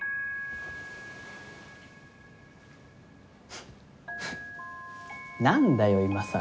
フッ何だよ今更。